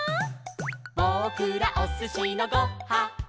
「ぼくらおすしのご・は・ん」